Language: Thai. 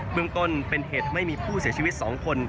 เมืองต้นเป็นเหตุให้มีผู้เสียชีวิต๒คน